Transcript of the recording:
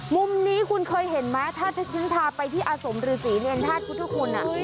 มุมนี้คุณเคยเห็นไหมถ้าถึงพาไปที่อสมหรือศรีเนียนทาสพุทธคุณ